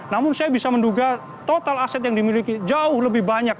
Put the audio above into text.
namun saya bisa menduga total aset yang dimiliki jauh lebih banyak